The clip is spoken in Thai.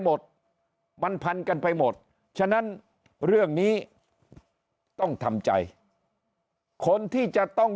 หมดมันพันกันไปหมดฉะนั้นเรื่องนี้ต้องทำใจคนที่จะต้อง